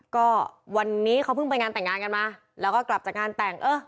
ก็วันนี้เขาเพิ่งไปงานแต่งงานกันมาแล้วก็กลับจากงานแต่งเออ